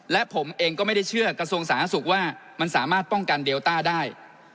และผมเองก็ไม่ได้เชื่อกระทรวงสาธารณสุขว่ามันสามารถป้องกันเดลต้าได้